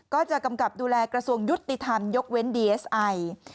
กำกับดูแลกระทรวงยุติธรรมยกเว้นดีเอสไอ